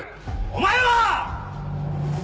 お前は‼